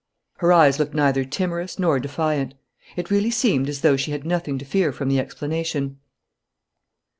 Her eyes looked neither timorous nor defiant. It really seemed as though she had nothing to fear from the explanation.